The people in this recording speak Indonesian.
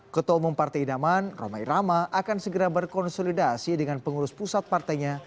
ketua umum partai idaman roma irama akan segera berkonsolidasi dengan pengurus pusat partainya